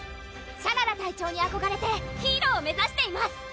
シャララ隊長にあこがれてヒーロー目指しています！